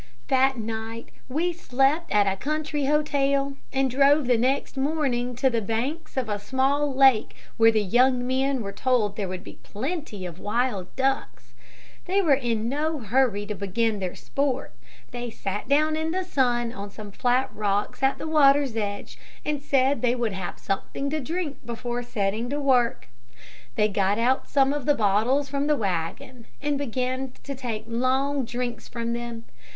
"That night we slept at a country hotel, and drove the next morning to the banks of a small lake where the young men were told there would be plenty of wild ducks. They were in no hurry to begin their sport. They sat down in the sun on some flat rocks at the water's edge, and said they would have something to drink before setting to work. They got out some of the bottles from the wagon, and began to take long drinks from them.